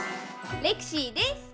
レクシーです！